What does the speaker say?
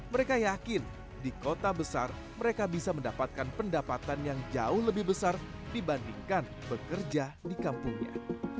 mereka yakin di kota besar mereka bisa mendapatkan pendapatan yang jauh lebih besar dibandingkan bekerja di kampungnya